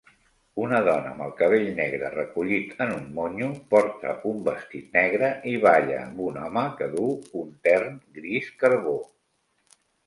Una dona amb el cabell negre recollit en un monyo porta un vestit negre i balla amb un home que du un tern gris carbó.